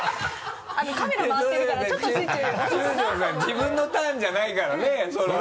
自分のターンじゃないからねそれはね。